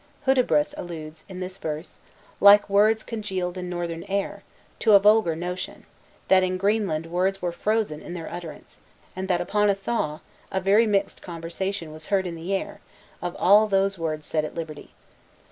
Hudibras alludes, in this verse, "Like words congealed in northern air," to a vulgar notion, that in Greenland words were frozen in their utterance; and that upon a thaw, a very mixed conversation was heard in the air, of all those words set at liberty.